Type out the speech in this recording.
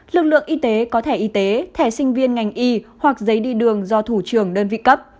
lực lượng y tế có thẻ y tế thẻ sinh viên ngành y hoặc giấy đi đường do thủ trưởng đơn vị cấp